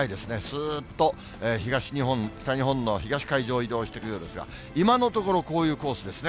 すーっと東日本、北日本の東海上を移動してくるようですが、今のところ、こういうコースですね。